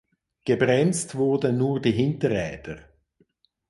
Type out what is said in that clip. Gebremst wurden nur die Hinterräder.